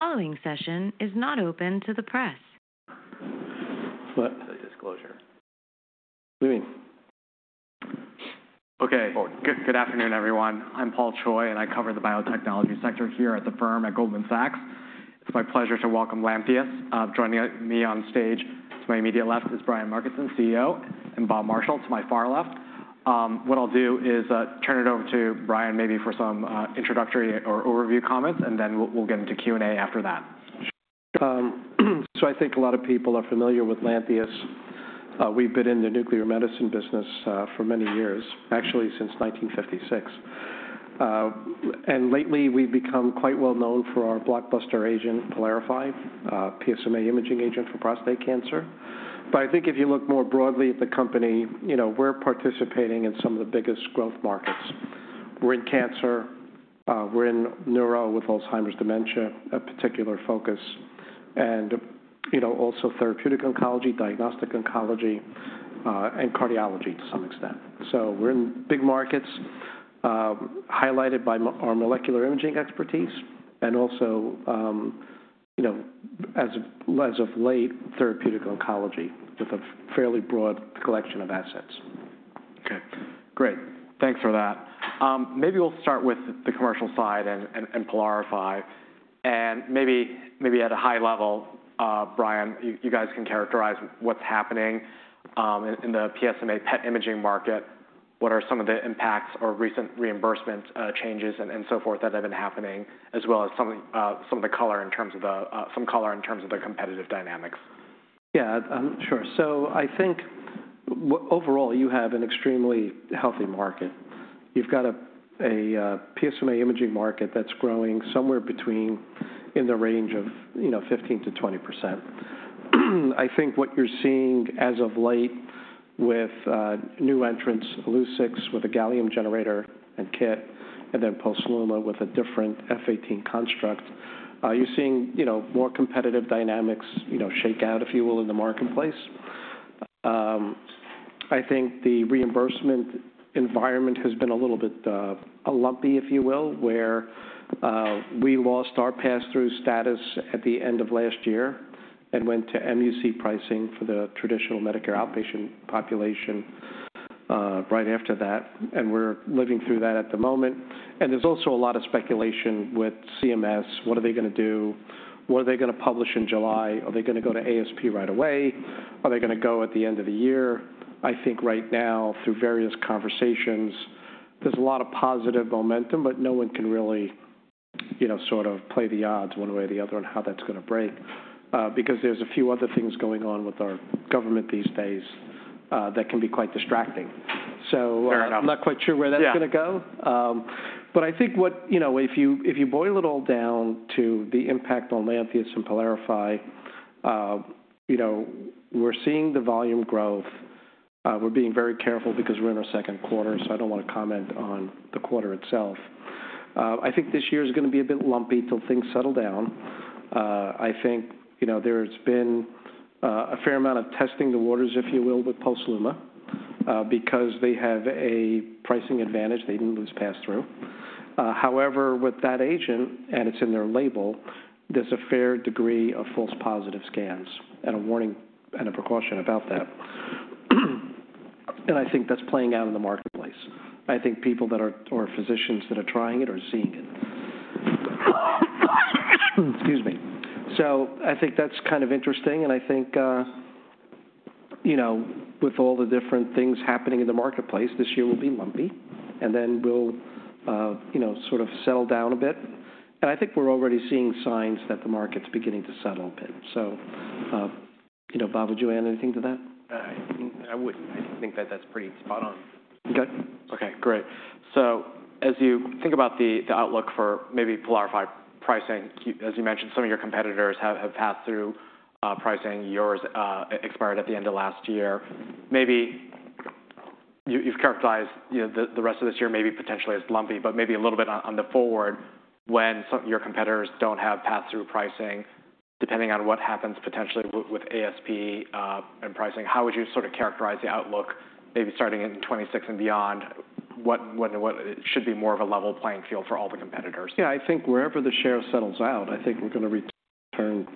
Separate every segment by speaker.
Speaker 1: Following session is not open to the press.
Speaker 2: Disclosure.
Speaker 3: Moving.
Speaker 2: Okay. Good afternoon, everyone. I'm Paul Choi, and I cover the biotechnology sector here at the firm at Goldman Sachs. It's my pleasure to welcome Lantheus. Joining me on stage to my immediate left is Brian Markison, CEO, and Bob Marshall to my far left. What I'll do is turn it over to Brian maybe for some introductory or overview comments, and then we'll get into Q&A after that.
Speaker 3: I think a lot of people are familiar with Lantheus. We've been in the nuclear medicine business for many years, actually since 1956. Lately, we've become quite well known for our blockbuster agent, PYLARIFY, a PSMA imaging agent for prostate cancer. I think if you look more broadly at the company, we're participating in some of the biggest growth markets. We're in cancer. We're in neuro with Alzheimer's dementia, a particular focus, and also therapeutic oncology, diagnostic oncology, and cardiology to some extent. We're in big markets highlighted by our molecular imaging expertise and also, as of late, therapeutic oncology with a fairly broad collection of assets.
Speaker 2: Okay. Great. Thanks for that. Maybe we'll start with the commercial side and PYLARIFY. And maybe at a high level, Brian, you guys can characterize what's happening in the PSMA PET imaging market, what are some of the impacts or recent reimbursement changes and so forth that have been happening, as well as some of the color in terms of the competitive dynamics.
Speaker 3: Yeah, sure. I think overall, you have an extremely healthy market. You've got a PSMA imaging market that's growing somewhere between in the range of 15%-20%. I think what you're seeing as of late with new entrants, Illuccix with a Gallium generator and kit, and then Posluma with a different F-18 construct, you're seeing more competitive dynamics shake out, if you will, in the marketplace. I think the reimbursement environment has been a little bit lumpy, if you will, where we lost our pass-through status at the end of last year and went to MUC pricing for the traditional Medicare outpatient population right after that. We're living through that at the moment. There's also a lot of speculation with CMS. What are they going to do? What are they going to publish in July? Are they going to go to ASP right away? Are they going to go at the end of the year? I think right now, through various conversations, there's a lot of positive momentum, but no one can really sort of play the odds one way or the other on how that's going to break because there's a few other things going on with our government these days that can be quite distracting. I am not quite sure where that's going to go. I think if you boil it all down to the impact on Lantheus and PYLARIFY, we're seeing the volume growth. We're being very careful because we're in our second quarter, so I do not want to comment on the quarter itself. I think this year is going to be a bit lumpy till things settle down. I think there's been a fair amount of testing the waters, if you will, with Posluma because they have a pricing advantage. They didn't lose pass-through. However, with that agent, and it's in their label, there's a fair degree of false positive scans and a warning and a precaution about that. I think that's playing out in the marketplace. I think people that are or physicians that are trying it are seeing it. Excuse me. I think that's kind of interesting. I think with all the different things happening in the marketplace, this year will be lumpy, and then we'll sort of settle down a bit. I think we're already seeing signs that the market's beginning to settle a bit. Bob, would you add anything to that?
Speaker 4: I think that that's pretty spot on.
Speaker 2: Okay. Great. As you think about the outlook for maybe PYLARIFY pricing, as you mentioned, some of your competitors have pass-through pricing, yours expired at the end of last year. Maybe you've characterized the rest of this year potentially as lumpy, but maybe a little bit on the forward when your competitors do not have pass-through pricing. Depending on what happens potentially with ASP and pricing, how would you sort of characterize the outlook maybe starting in 2026 and beyond? What should be more of a level playing field for all the competitors?
Speaker 3: Yeah, I think wherever the share settles out, I think we're going to return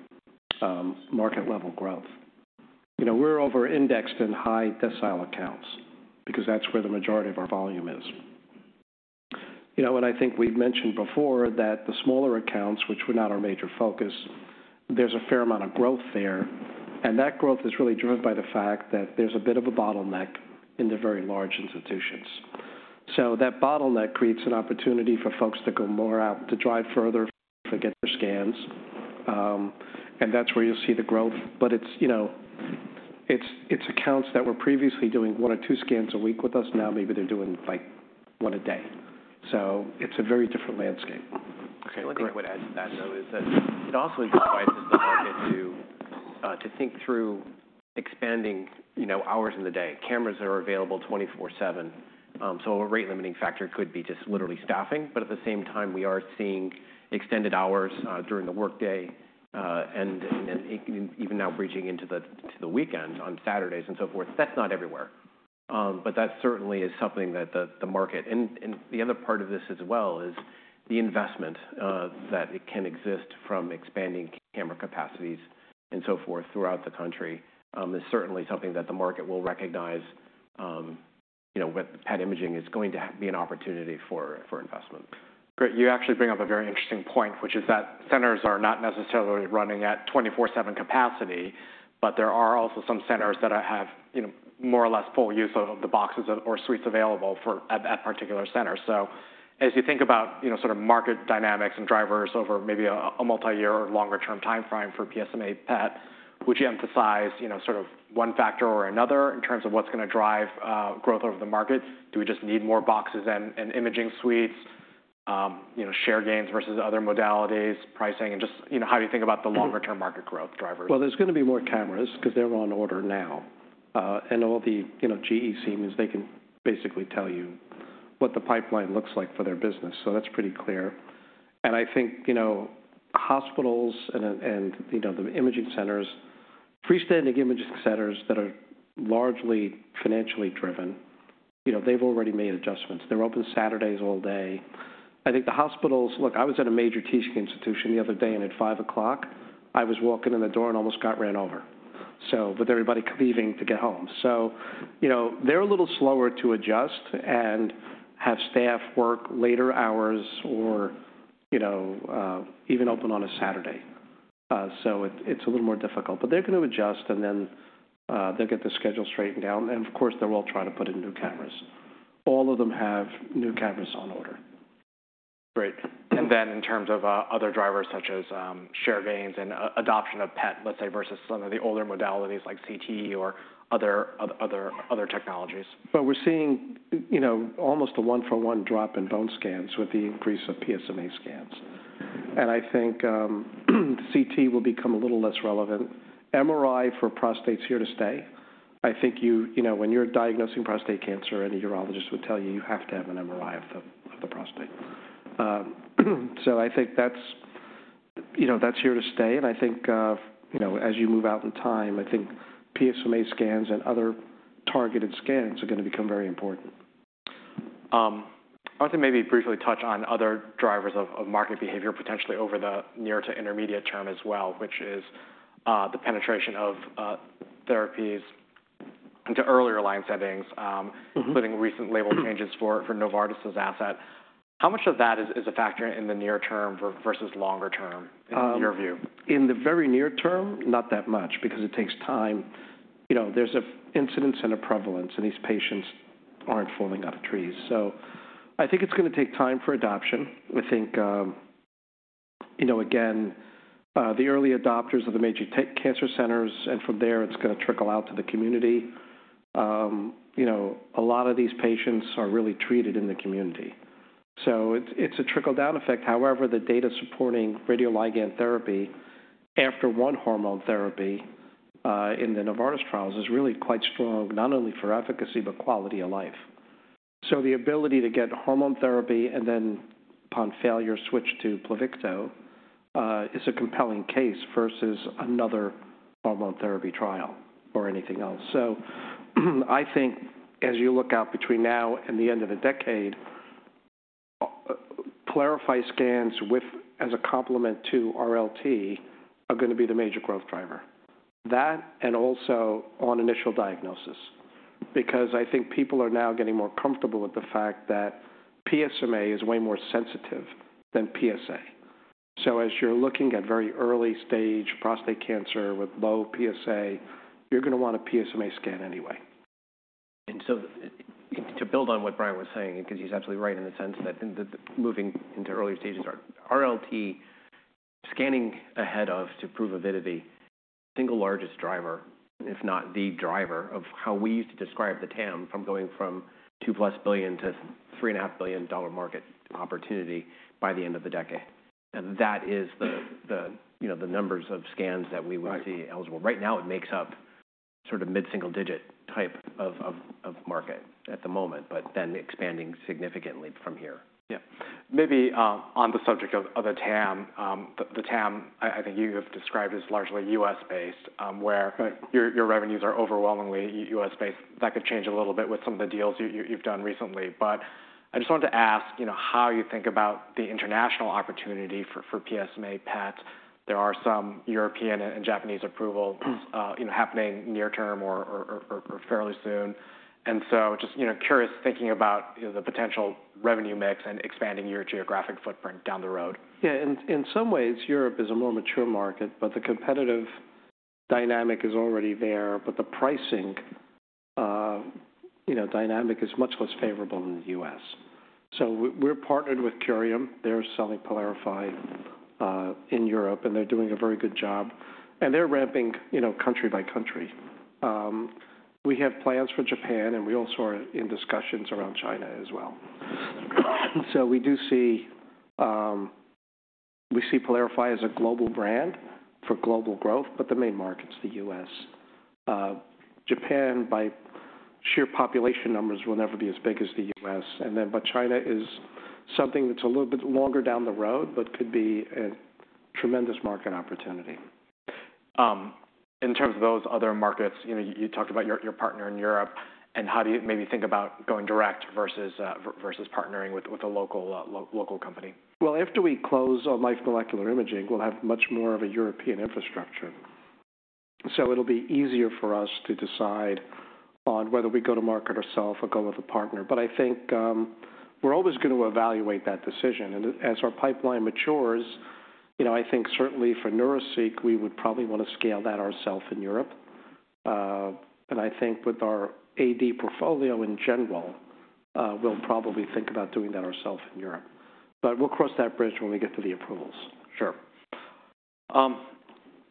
Speaker 3: market-level growth. We're over-indexed in high decile accounts because that's where the majority of our volume is. I think we've mentioned before that the smaller accounts, which were not our major focus, there's a fair amount of growth there. That growth is really driven by the fact that there's a bit of a bottleneck in the very large institutions. That bottleneck creates an opportunity for folks to go more out to drive further, forget their scans. That's where you'll see the growth. It's accounts that were previously doing one or two scans a week with us. Now maybe they're doing like one a day. It's a very different landscape.
Speaker 4: Okay. One thing I would add to that, though, is that it also incentivizes the market to think through expanding hours in the day. Cameras are available 24/7. A rate-limiting factor could be just literally staffing. At the same time, we are seeing extended hours during the workday and even now breaching into the weekend on Saturdays and so forth. That is not everywhere. That certainly is something that the market, and the other part of this as well is the investment that can exist from expanding camera capacities and so forth throughout the country, is certainly something that the market will recognize with PET imaging is going to be an opportunity for investment.
Speaker 2: Great. You actually bring up a very interesting point, which is that centers are not necessarily running at 24/7 capacity, but there are also some centers that have more or less full use of the boxes or suites available for that particular center. As you think about sort of market dynamics and drivers over maybe a multi-year or longer-term timeframe for PSMA PET, would you emphasize sort of one factor or another in terms of what's going to drive growth over the market? Do we just need more boxes and imaging suites, share gains versus other modalities, pricing, and just how do you think about the longer-term market growth drivers?
Speaker 3: There is going to be more cameras because they are on order now. And all the GEC means they can basically tell you what the pipeline looks like for their business. That is pretty clear. I think hospitals and the imaging centers, freestanding imaging centers that are largely financially driven, they have already made adjustments. They are open Saturdays all day. I think the hospitals, look, I was at a major teaching institution the other day and at 5:00 P.M., I was walking in the door and almost got ran over with everybody leaving to get home. They are a little slower to adjust and have staff work later hours or even open on a Saturday. It is a little more difficult. They are going to adjust and then they will get the schedule straightened out. Of course, they are all trying to put in new cameras. All of them have new cameras on order.
Speaker 2: Great. In terms of other drivers such as share gains and adoption of PET, let's say, versus some of the older modalities like CT or other technologies.
Speaker 3: We're seeing almost a one-for-one drop in bone scans with the increase of PSMA scans. I think CT will become a little less relevant. MRI for prostate's here to stay. I think when you're diagnosing prostate cancer, any urologist would tell you you have to have an MRI of the prostate. I think that's here to stay. I think as you move out in time, I think PSMA scans and other targeted scans are going to become very important.
Speaker 2: I want to maybe briefly touch on other drivers of market behavior potentially over the near to intermediate term as well, which is the penetration of therapies into earlier line settings, including recent label changes for Novartis's asset. How much of that is a factor in the near term versus longer term in your view?
Speaker 3: In the very near term, not that much because it takes time. There is an incidence and a prevalence, and these patients are not falling out of trees. I think it is going to take time for adoption. I think, again, the early adopters are the major cancer centers, and from there, it is going to trickle out to the community. A lot of these patients are really treated in the community. It is a trickle-down effect. However, the data supporting radioligand therapy after one hormone therapy in the Novartis trials is really quite strong, not only for efficacy, but quality of life. The ability to get hormone therapy and then upon failure switch to Pluvicto is a compelling case versus another hormone therapy trial or anything else. I think as you look out between now and the end of the decade, PYLARIFY scans as a complement to RLT are going to be the major growth driver. That and also on initial diagnosis because I think people are now getting more comfortable with the fact that PSMA is way more sensitive than PSA. As you're looking at very early-stage prostate cancer with low PSA, you're going to want a PSMA scan anyway.
Speaker 4: To build on what Brian was saying, because he's absolutely right in the sense that moving into early stages, RLT scanning ahead of to prove avidity, single largest driver, if not the driver of how we used to describe the TAM from going from $2 billion-$3.5 billion market opportunity by the end of the decade. That is the numbers of scans that we would see eligible. Right now, it makes up sort of mid-single-digit type of market at the moment, but then expanding significantly from here.
Speaker 2: Yeah. Maybe on the subject of the TAM, the TAM I think you have described as largely U.S.-based where your revenues are overwhelmingly U.S.-based. That could change a little bit with some of the deals you've done recently. I just wanted to ask how you think about the international opportunity for PSMA PET. There are some European and Japanese approvals happening near term or fairly soon. I am just curious thinking about the potential revenue mix and expanding your geographic footprint down the road.
Speaker 3: Yeah. In some ways, Europe is a more mature market, but the competitive dynamic is already there. The pricing dynamic is much less favorable in the U.S. We are partnered with Curium. They are selling PYLARIFY in Europe, and they are doing a very good job. They are ramping country by country. We have plans for Japan, and we also are in discussions around China as well. We do see PYLARIFY as a global brand for global growth, but the main market is the U.S. Japan, by sheer population numbers, will never be as big as the U.S. China is something that is a little bit longer down the road, but could be a tremendous market opportunity.
Speaker 2: In terms of those other markets, you talked about your partner in Europe. How do you maybe think about going direct versus partnering with a local company?
Speaker 3: After we close on Life Molecular Imaging, we'll have much more of a European infrastructure. It will be easier for us to decide on whether we go to market ourself or go with a partner. I think we're always going to evaluate that decision. As our pipeline matures, I think certainly for Neuraseek, we would probably want to scale that ourself in Europe. I think with our AD portfolio in general, we'll probably think about doing that ourself in Europe. We'll cross that bridge when we get to the approvals.
Speaker 2: Sure.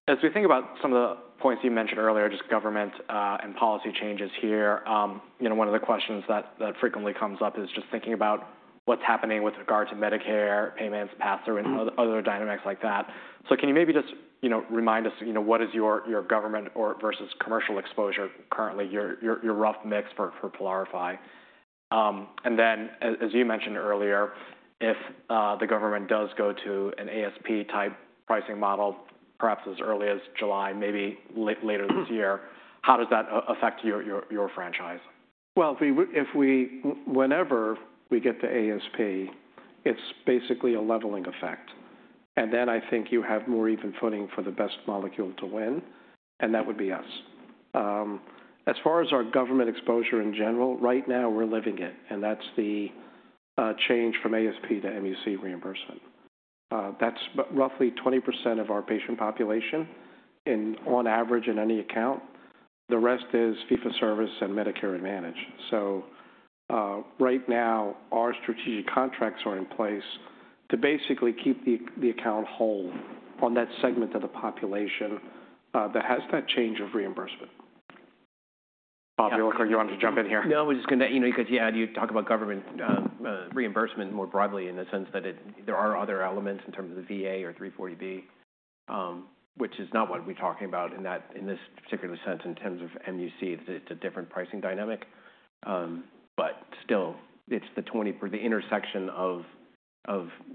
Speaker 2: As we think about some of the points you mentioned earlier, just government and policy changes here, one of the questions that frequently comes up is just thinking about what's happening with regard to Medicare payments, pass-through, and other dynamics like that. Can you maybe just remind us what is your government versus commercial exposure currently, your rough mix for PYLARIFY? As you mentioned earlier, if the government does go to an ASP-type pricing model, perhaps as early as July, maybe later this year, how does that affect your franchise?
Speaker 3: Whenever we get to ASP, it's basically a leveling effect. I think you have more even footing for the best molecule to win. That would be us. As far as our government exposure in general, right now we're living it. That's the change from ASP to MUC reimbursement. That's roughly 20% of our patient population on average in any account. The rest is fee-for-service and Medicare Advantage. Right now, our strategic contracts are in place to basically keep the account whole on that segment of the population that has that change of reimbursement.
Speaker 2: Bob, you wanted to jump in here?
Speaker 4: No, we're just going to because you talk about government reimbursement more broadly in the sense that there are other elements in terms of the VA or 340B, which is not what we're talking about in this particular sense in terms of MUC. It's a different pricing dynamic. Still, it's the intersection of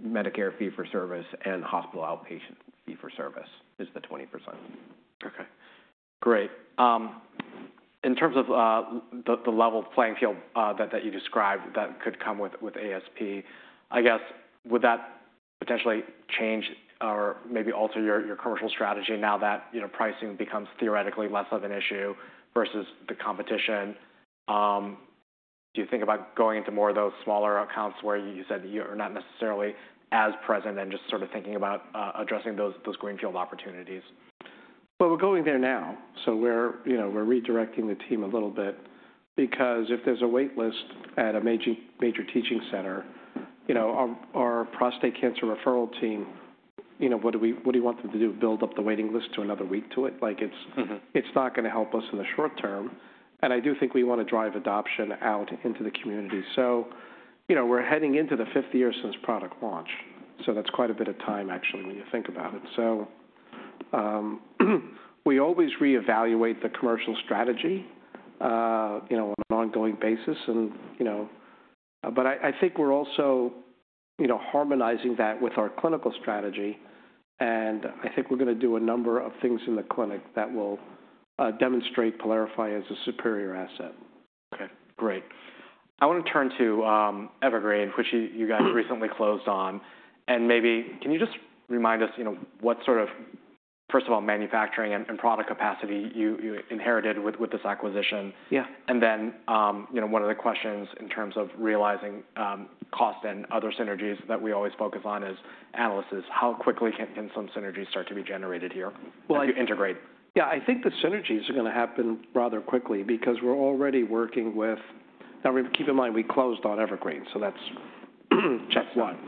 Speaker 4: Medicare fee for service and hospital outpatient fee for service is the 20%.
Speaker 2: Okay. Great. In terms of the level playing field that you described that could come with ASP, I guess, would that potentially change or maybe alter your commercial strategy now that pricing becomes theoretically less of an issue versus the competition? Do you think about going into more of those smaller accounts where you said you are not necessarily as present and just sort of thinking about addressing those greenfield opportunities?
Speaker 3: We're going there now. We're redirecting the team a little bit because if there's a waitlist at a major teaching center, our prostate cancer referral team, what do you want them to do? Build up the waiting list to another week to it? It's not going to help us in the short term. I do think we want to drive adoption out into the community. We're heading into the fifth year since product launch. That's quite a bit of time, actually, when you think about it. We always reevaluate the commercial strategy on an ongoing basis. I think we're also harmonizing that with our clinical strategy. I think we're going to do a number of things in the clinic that will demonstrate PYLARIFY as a superior asset.
Speaker 2: Okay. Great. I want to turn to Evergreen, which you guys recently closed on. Maybe can you just remind us what sort of, first of all, manufacturing and product capacity you inherited with this acquisition? One of the questions in terms of realizing cost and other synergies that we always focus on is analysis. How quickly can some synergies start to be generated here to integrate?
Speaker 3: Yeah. I think the synergies are going to happen rather quickly because we're already working with now, keep in mind, we closed on Evergreen. So that's check one.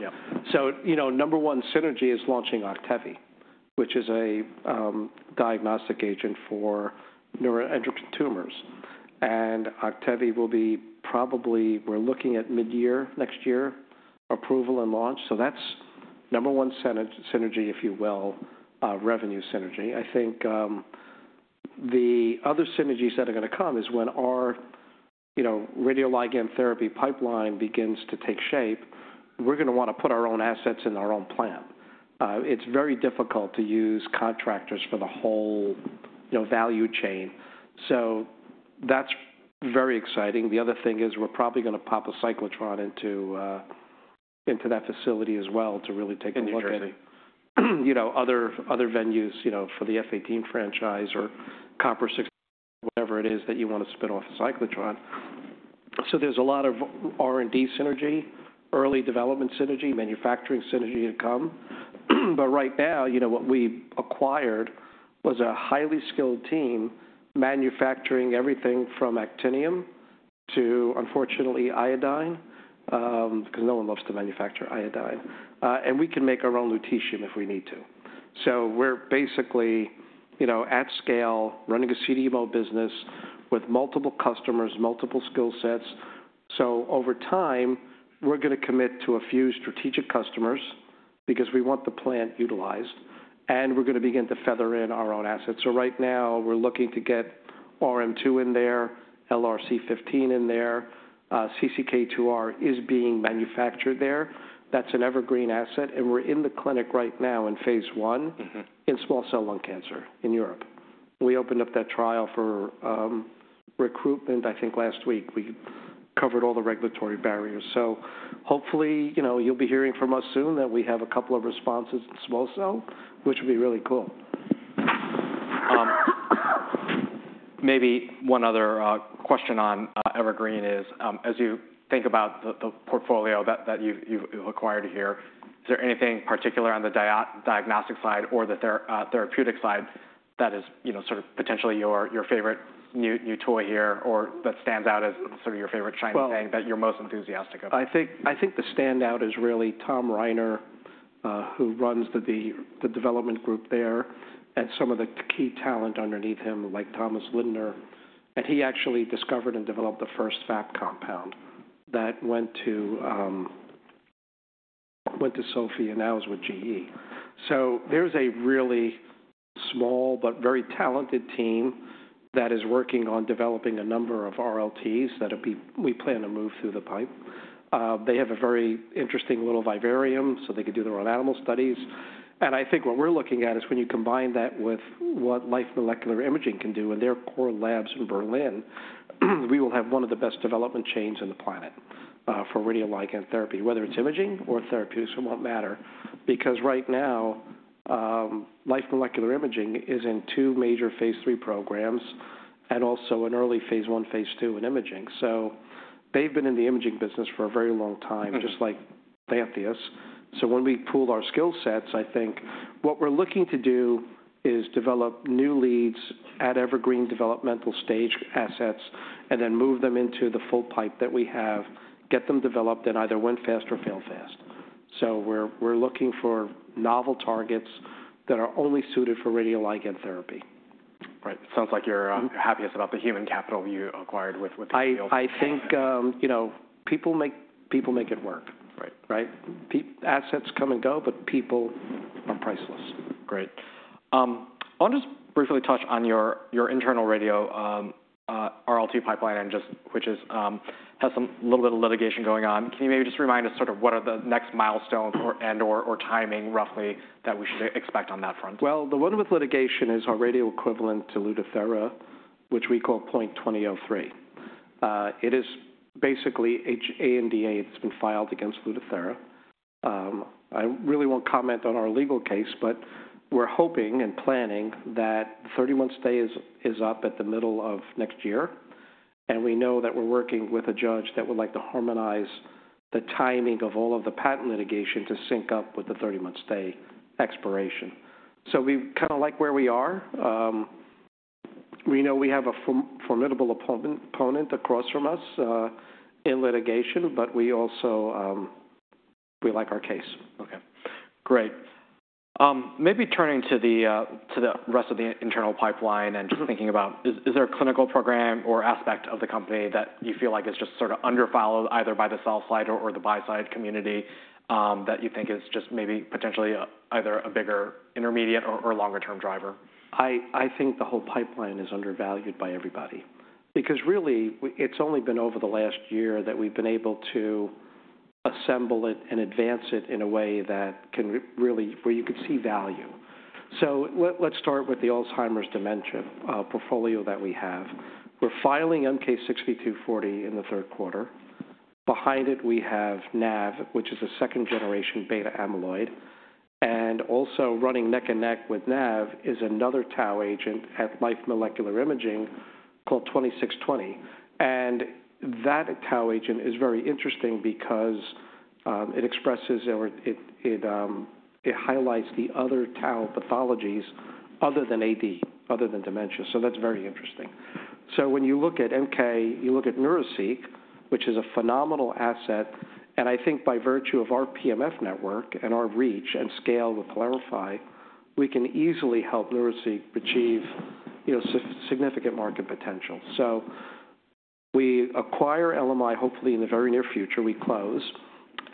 Speaker 3: Number one synergy is launching Octavi, which is a diagnostic agent for neuroendocrine tumors. Octavi will be probably, we're looking at mid-year next year approval and launch. That's number one synergy, if you will, revenue synergy. I think the other synergies that are going to come is when our radioligand therapy pipeline begins to take shape, we're going to want to put our own assets in our own plant. It's very difficult to use contractors for the whole value chain. That's very exciting. The other thing is we're probably going to pop a cyclotron into that facility as well to really take a look at other venues for the F18 franchise or Copper 6, whatever it is that you want to spin off a cyclotron. There is a lot of R&D synergy, early development synergy, manufacturing synergy to come. Right now, what we acquired was a highly skilled team manufacturing everything from actinium to, unfortunately, iodine because no one loves to manufacture iodine. We can make our own lutetium if we need to. We are basically at scale running a CDMO business with multiple customers, multiple skill sets. Over time, we're going to commit to a few strategic customers because we want the plant utilized. We are going to begin to feather in our own assets. Right now, we're looking to get RM2 in there, LRC15 in there. CCK2R is being manufactured there. That's an Evergreen asset. We're in the clinic right now in phase I in small cell lung cancer in Europe. We opened up that trial for recruitment, I think, last week. We covered all the regulatory barriers. Hopefully, you'll be hearing from us soon that we have a couple of responses in small cell, which will be really cool.
Speaker 2: Maybe one other question on Evergreen is, as you think about the portfolio that you've acquired here, is there anything particular on the diagnostic side or the therapeutic side that is sort of potentially your favorite new toy here, or that stands out as sort of your favorite shining thing that you're most enthusiastic about?
Speaker 3: I think the standout is really Tom Reiner, who runs the development group there, and some of the key talent underneath him, like Thomas Lindner. He actually discovered and developed the first FAP compound that went to Sofie and now is with GE. There is a really small but very talented team that is working on developing a number of RLTs that we plan to move through the pipe. They have a very interesting little vivarium so they could do their own animal studies. I think what we are looking at is when you combine that with what Life Molecular Imaging can do in their core labs in Berlin, we will have one of the best development chains on the planet for radioligand therapy, whether it is imaging or therapeutics, it will not matter. Because right now, Life Molecular Imaging is in two major phase three programs and also an early phase one, phase two in imaging. They've been in the imaging business for a very long time, just like Lantheus. When we pool our skill sets, I think what we're looking to do is develop new leads at Evergreen developmental stage assets and then move them into the full pipe that we have, get them developed and either win fast or fail fast. We're looking for novel targets that are only suited for radioligand therapy.
Speaker 2: Right. It sounds like you're happy about the human capital you acquired with the fields.
Speaker 3: I think people make it work. Right? Assets come and go, but people are priceless.
Speaker 2: Great. I want to just briefly touch on your internal radio RLT pipeline, which has a little bit of litigation going on. Can you maybe just remind us sort of what are the next milestones and/or timing roughly that we should expect on that front?
Speaker 3: The one with litigation is our radio equivalent to Lutathera, which we call 0.2003. It is basically an ANDA that's been filed against Lutathera. I really won't comment on our legal case, but we're hoping and planning that the 30-month stay is up at the middle of next year. We know that we're working with a judge that would like to harmonize the timing of all of the patent litigation to sync up with the 30-month stay expiration. We kind of like where we are. We know we have a formidable opponent across from us in litigation, but we like our case.
Speaker 2: Okay. Great. Maybe turning to the rest of the internal pipeline and just thinking about, is there a clinical program or aspect of the company that you feel like is just sort of underfollowed either by the sell side or the buy side community that you think is just maybe potentially either a bigger intermediate or longer-term driver?
Speaker 3: I think the whole pipeline is undervalued by everybody. Because really, it's only been over the last year that we've been able to assemble it and advance it in a way that can really where you could see value. Let's start with the Alzheimer's dementia portfolio that we have. We're filing MK-6240 in the third quarter. Behind it, we have NAV, which is a second-generation beta-amyloid. Also running neck and neck with NAV is another tau agent at Life Molecular Imaging called 2620. That tau agent is very interesting because it expresses or it highlights the other tau pathologies other than AD, other than dementia. That's very interesting. When you look at MK, you look at Neuraseek, which is a phenomenal asset. I think by virtue of our PMF network and our reach and scale with PYLARIFY, we can easily help Neuraseek achieve significant market potential. We acquire Life Molecular Imaging hopefully in the very near future. We close.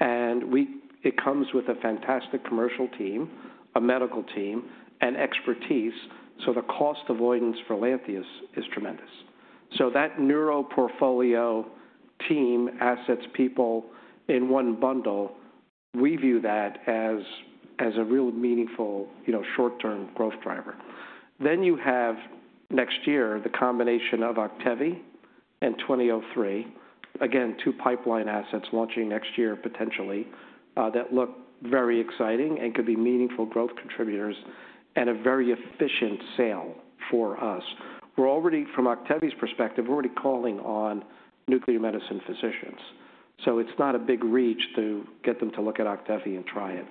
Speaker 3: It comes with a fantastic commercial team, a medical team, and expertise. The cost avoidance for Lantheus is tremendous. That neuro portfolio team, assets, people in one bundle, we view that as a real meaningful short-term growth driver. You have next year the combination of Octavi and 2003, again, two pipeline assets launching next year potentially that look very exciting and could be meaningful growth contributors and a very efficient sale for us. From Octavi's perspective, we're already calling on nuclear medicine physicians. It's not a big reach to get them to look at Octavi and try it.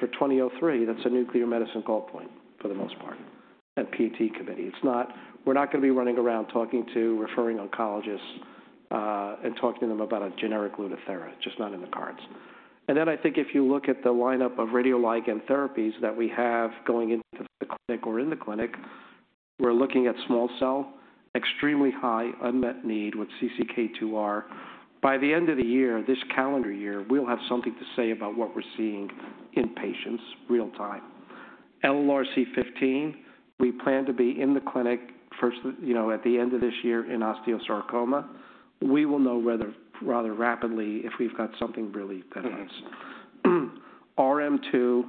Speaker 3: For 2003, that's a nuclear medicine call point for the most part and PET committee. We're not going to be running around talking to referring oncologists and talking to them about a generic Lutathera. Just not in the cards. I think if you look at the lineup of radioligand therapies that we have going into the clinic or in the clinic, we're looking at small cell, extremely high unmet need with CCK2R. By the end of the year, this calendar year, we'll have something to say about what we're seeing in patients real time. LRRC15, we plan to be in the clinic at the end of this year in osteosarcoma. We will know rather rapidly if we've got something really that has. RM2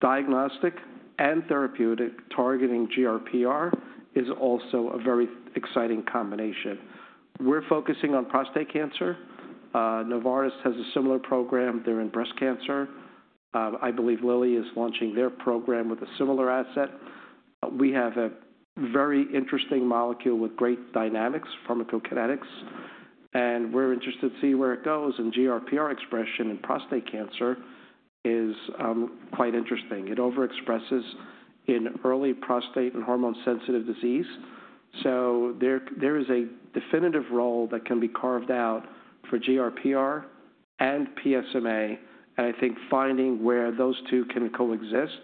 Speaker 3: diagnostic and therapeutic targeting GRPR is also a very exciting combination. We're focusing on prostate cancer. Novartis has a similar program. They're in breast cancer. I believe Lilly is launching their program with a similar asset. We have a very interesting molecule with great dynamics, pharmacokinetics. We're interested to see where it goes in GRPR expression in prostate cancer is quite interesting. It overexpresses in early prostate and hormone-sensitive disease. There is a definitive role that can be carved out for GRPR and PSMA. I think finding where those two can coexist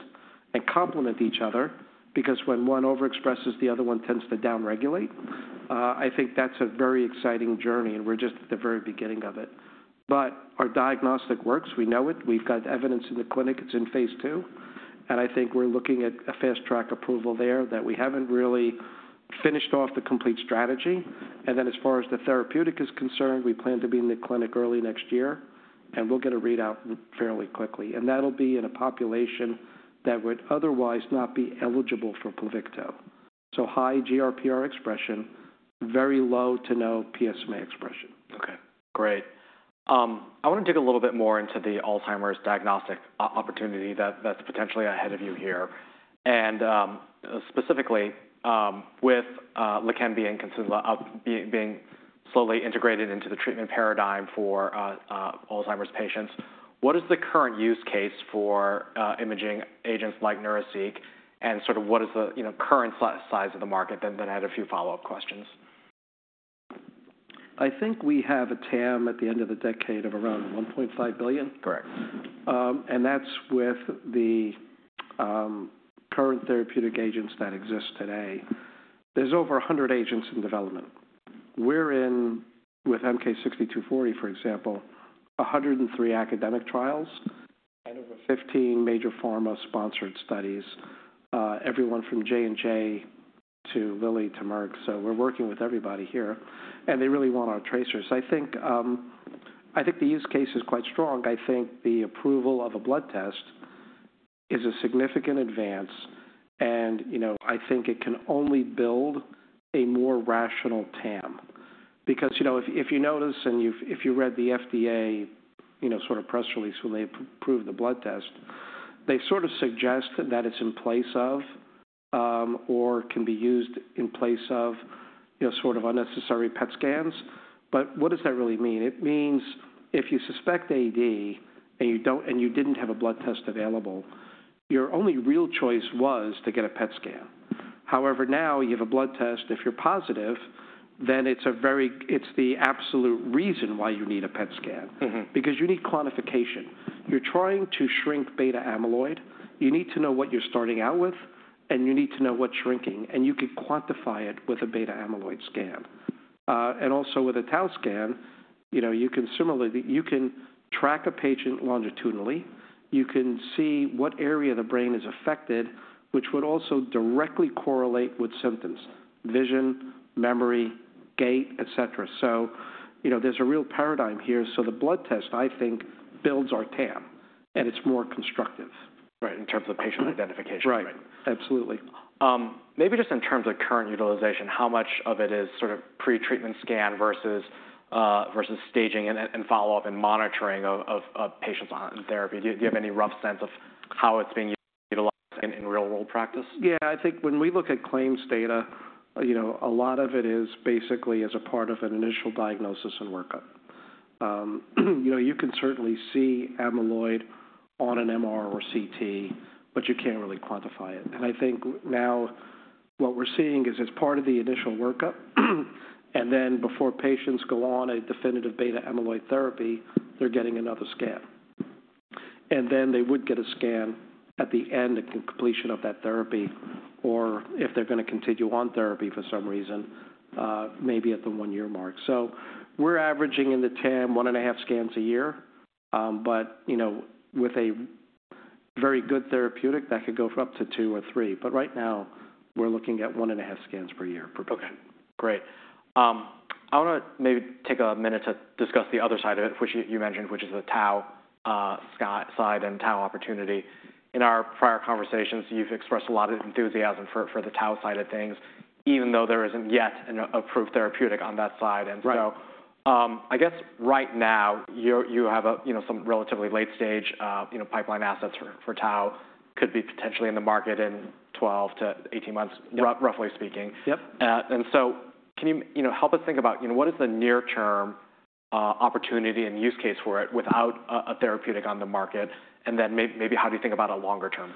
Speaker 3: and complement each other because when one overexpresses, the other one tends to downregulate. I think that's a very exciting journey. We're just at the very beginning of it. Our diagnostic works. We know it. We've got evidence in the clinic. It's in phase two. I think we're looking at a fast track approval there that we haven't really finished off the complete strategy. As far as the therapeutic is concerned, we plan to be in the clinic early next year. We'll get a readout fairly quickly. That will be in a population that would otherwise not be eligible for Pluvicto. High GRPR expression, very low to no PSMA expression.
Speaker 2: Okay. Great. I want to dig a little bit more into the Alzheimer's diagnostic opportunity that's potentially ahead of you here. Specifically, with Leqembi and Kisunla being slowly integrated into the treatment paradigm for Alzheimer's patients, what is the current use case for imaging agents like Neuraseek? What is the current size of the market? I had a few follow-up questions.
Speaker 3: I think we have a TAM at the end of the decade of around $1.5 billion.
Speaker 2: Correct.
Speaker 3: That is with the current therapeutic agents that exist today. There are over 100 agents in development. We are in, with MK-6240, for example, 103 academic trials and over 15 major pharma sponsored studies, everyone from J&J to Lilly to Merck. We are working with everybody here. They really want our tracers. I think the use case is quite strong. I think the approval of a blood test is a significant advance. I think it can only build a more rational TAM. If you notice and if you read the FDA sort of press release when they approve the blood test, they sort of suggest that it is in place of or can be used in place of unnecessary PET scans. What does that really mean? It means if you suspect AD and you did not have a blood test available, your only real choice was to get a PET scan. However, now you have a blood test. If you are positive, then it is the absolute reason why you need a PET scan. Because you need quantification. You are trying to shrink beta-amyloid. You need to know what you are starting out with, and you need to know what is shrinking. You can quantify it with a beta-amyloid scan. Also, with a tau scan, you can track a patient longitudinally. You can see what area of the brain is affected, which would also directly correlate with symptoms: vision, memory, gait, etc. There is a real paradigm here. The blood test, I think, builds our TAM. It is more constructive.
Speaker 2: Right. In terms of patient identification.
Speaker 3: Right. Absolutely.
Speaker 2: Maybe just in terms of current utilization, how much of it is sort of pre-treatment scan versus staging and follow-up and monitoring of patients on therapy? Do you have any rough sense of how it's being utilized in real-world practice?
Speaker 3: Yeah. I think when we look at claims data, a lot of it is basically as a part of an initial diagnosis and workup. You can certainly see amyloid on an MR or CT, but you can't really quantify it. I think now what we're seeing is it's part of the initial workup. Then before patients go on a definitive beta-amyloid therapy, they're getting another scan. They would get a scan at the end of completion of that therapy or if they're going to continue on therapy for some reason, maybe at the one-year mark. We're averaging in the TAM one and a half scans a year. With a very good therapeutic, that could go for up to two or three. Right now, we're looking at one and a half scans per year per patient.
Speaker 2: Okay. Great. I want to maybe take a minute to discuss the other side of it, which you mentioned, which is the tau side and tau opportunity. In our prior conversations, you've expressed a lot of enthusiasm for the tau side of things, even though there isn't yet an approved therapeutic on that side. I guess right now, you have some relatively late-stage pipeline assets for tau could be potentially in the market in 12 to 18 months, roughly speaking. Can you help us think about what is the near-term opportunity and use case for it without a therapeutic on the market? Maybe how do you think about a longer term?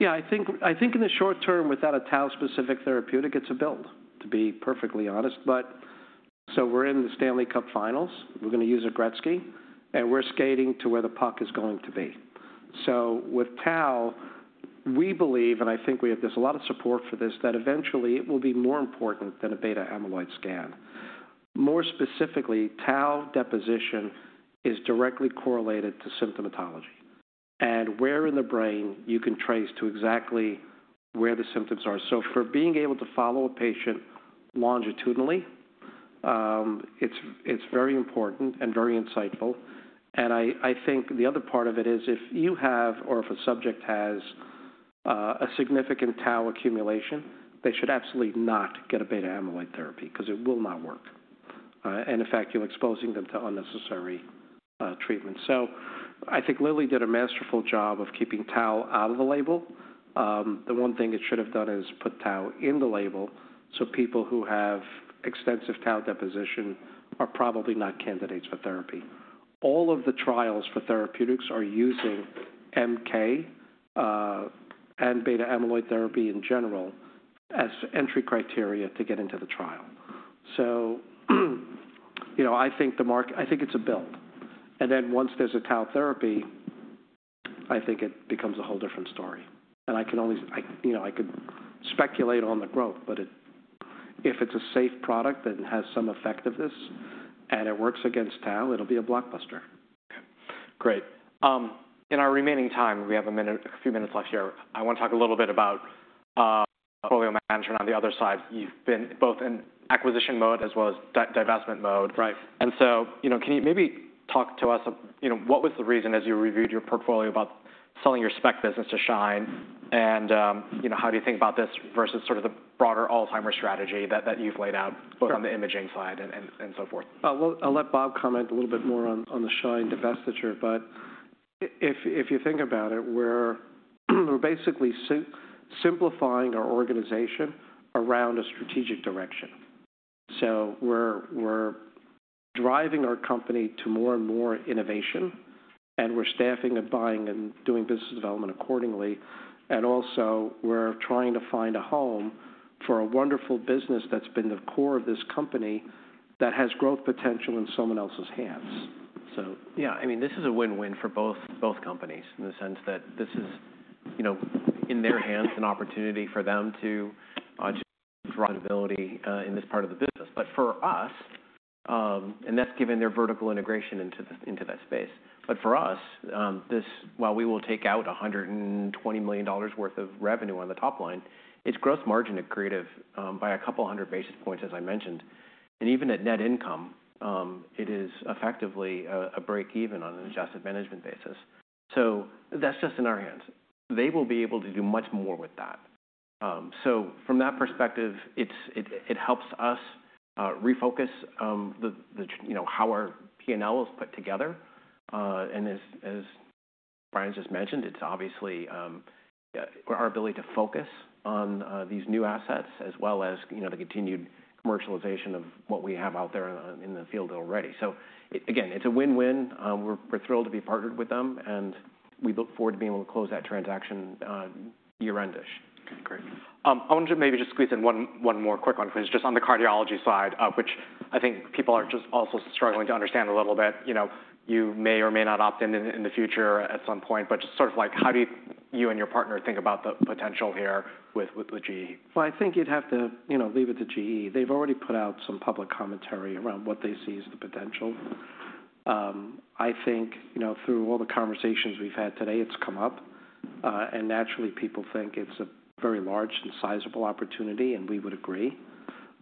Speaker 3: Yeah. I think in the short term, without a tau-specific therapeutic, it's a build, to be perfectly honest. We're in the Stanley Cup finals. We're going to use a Gretzky. We're skating to where the puck is going to be. With tau, we believe, and I think we have a lot of support for this, that eventually it will be more important than a beta-amyloid scan. More specifically, tau deposition is directly correlated to symptomatology. Where in the brain you can trace to exactly where the symptoms are. For being able to follow a patient longitudinally, it's very important and very insightful. I think the other part of it is if you have or if a subject has a significant tau accumulation, they should absolutely not get a beta-amyloid therapy because it will not work. In fact, you're exposing them to unnecessary treatment. I think Lilly did a masterful job of keeping tau out of the label. The one thing it should have done is put tau in the label. People who have extensive tau deposition are probably not candidates for therapy. All of the trials for therapeutics are using MK and beta amyloid therapy in general as entry criteria to get into the trial. I think it's a build. Once there's a tau therapy, I think it becomes a whole different story. I could speculate on the growth, but if it's a safe product that has some effectiveness and it works against tau, it'll be a blockbuster.
Speaker 2: Okay. Great. In our remaining time, we have a few minutes left here. I want to talk a little bit about portfolio management on the other side. You've been both in acquisition mode as well as divestment mode. Can you maybe talk to us what was the reason as you reviewed your portfolio about selling your SPECT business to SHINE? How do you think about this versus sort of the broader Alzheimer's strategy that you've laid out on the imaging side and so forth?
Speaker 3: I'll let Bob comment a little bit more on the Shine divestiture. If you think about it, we're basically simplifying our organization around a strategic direction. We're driving our company to more and more innovation. We're staffing and buying and doing business development accordingly. We're also trying to find a home for a wonderful business that's been the core of this company that has growth potential in someone else's hands.
Speaker 2: Yeah, I mean, this is a win-win for both companies in the sense that this is, in their hands, an opportunity for them to draw stability in this part of the business. For us, and that's given their vertical integration into that space. For us, while we will take out $120 million worth of revenue on the top line, its gross margin had created by a couple hundred basis points, as I mentioned. Even at net income, it is effectively a break-even on an adjusted management basis. That's just in our hands. They will be able to do much more with that. From that perspective, it helps us refocus how our P&L is put together. As Brian just mentioned, it's obviously our ability to focus on these new assets as well as the continued commercialization of what we have out there in the field already. Again, it's a win-win. We're thrilled to be partnered with them. We look forward to being able to close that transaction year-end-ish. Okay. Great. I wanted to maybe just squeeze in one more quick one, please, just on the cardiology side, which I think people are just also struggling to understand a little bit. You may or may not opt in in the future at some point. Just sort of how do you and your partner think about the potential here with the GE?
Speaker 3: I think you'd have to leave it to GE. They've already put out some public commentary around what they see as the potential. I think through all the conversations we've had today, it's come up. Naturally, people think it's a very large and sizable opportunity, and we would agree.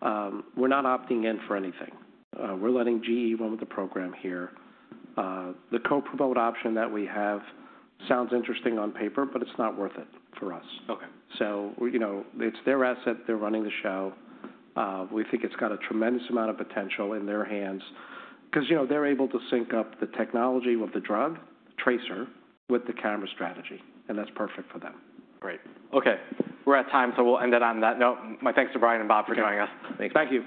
Speaker 3: We're not opting in for anything. We're letting GE run with the program here. The co-promote option that we have sounds interesting on paper, but it's not worth it for us. It's their asset. They're running the show. We think it's got a tremendous amount of potential in their hands because they're able to sync up the technology with the drug, tracer with the camera strategy. That's perfect for them.
Speaker 2: Great. Okay. We're at time, so we'll end it on that note. My thanks to Brian and Bob for joining us.
Speaker 3: Thank you.
Speaker 2: Thank you.